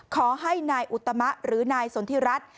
ขอให้นายอุตมะหรือนายสนทิรัฐ